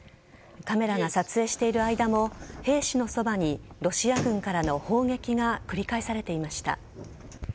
カメラが撮影している間も兵士のそばにロシア軍からの砲撃が繰り返されていました。